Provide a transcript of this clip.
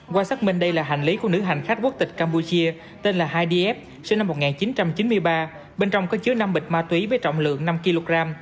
qua xác minh đây là hành lý của nữ hành khách quốc tịch campuchia tên là hif sinh năm một nghìn chín trăm chín mươi ba bên trong có chứa năm bịch ma túy với trọng lượng năm kg